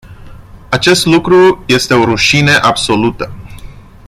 Acest lucru este o rușine absolută.